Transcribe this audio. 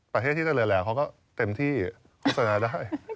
ประเทศที่เจริญแล้วเขาก็เต็มที่โฆษณาได้